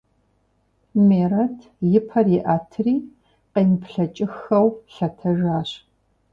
Мерэт и пэр иӀэтри къемыплъэкӀыххэу лъэтэжащ.